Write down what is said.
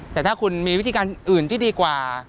แต่ถ้าคุณมีวิธีการอื่นที่ดีกว่า